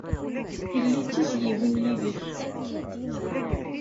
Yelli d tizzyiwin yid-k.